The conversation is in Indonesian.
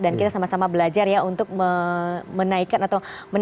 dan kita sama sama belajar untuk menambahkan lagi kehidupan bermula